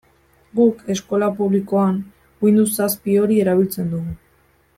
Guk, eskola publikoan, Windows zazpi hori erabiltzen dugu.